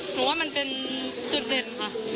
ว่ามันเป็นจุดเด่นค่ะ